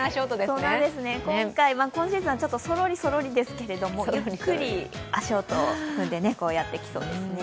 今シーズンはそろりそろりですけど、ゆっくり足音踏んでやってきそうですね。